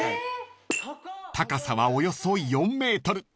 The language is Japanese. ［高さはおよそ４ｍ］